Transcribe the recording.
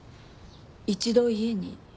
一度家に。